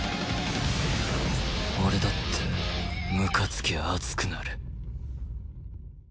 俺だってむかつきゃ熱くなる。